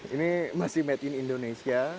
ini masih made in indonesia